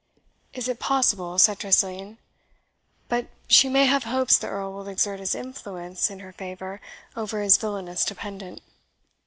"Is it possible," said Tressilian. "But she may have hopes the Earl will exert his influence in her favour over his villainous dependant."